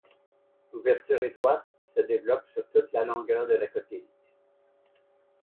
L'ouverture étroite se développe sur toute la longueur de la coquille.